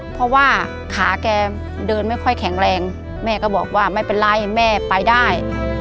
เพราะว่าขาแกเดินไม่ค่อยแข็งแรงแม่ก็บอกว่าไม่เป็นไรแม่ไปได้